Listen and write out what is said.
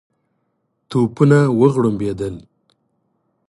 توپونه وغړمبېدل.